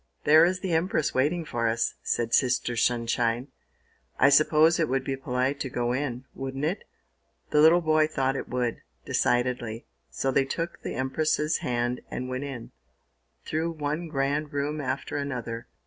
"There is the Empress waiting for us!" said Sister Sunshine. "I suppose it would be polite to go in, wouldn't it?" The little boy thought it would, decidedly, so they took the Empress's hand and went in, through one grand room after another.